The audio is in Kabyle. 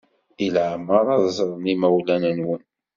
I lemmer ad ẓren yimawlan-nwen?